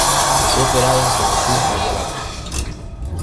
Fue operada por Jesús María Baca.